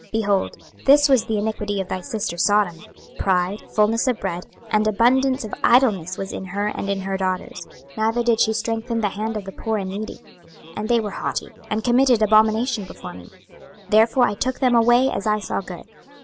26:016:049 Behold, this was the iniquity of thy sister Sodom, pride, fulness of bread, and abundance of idleness was in her and in her daughters, neither did she strengthen the hand of the poor and needy. 26:016:050 And they were haughty, and committed abomination before me: therefore I took them away as I saw good.